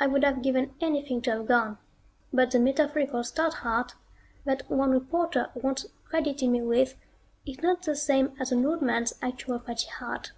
I would have given anything to have gone, but the metaphorical stout heart that one reporter once credited me with is not the same as an old man's actual fatty heart.